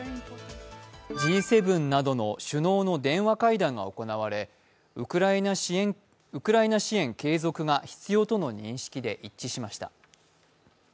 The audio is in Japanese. Ｇ７などの首脳による電話会談が行われ、ウクライナ支援継続が必要との認識で一致しました。